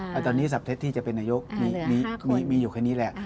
แล้วตอนนี้สับเท็จที่จะเป็นนายกมีอยู่แค่นี้แหละ